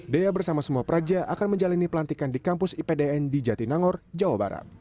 dea bersama semua praja akan menjalani pelantikan di kampus ipdn di jatinangor jawa barat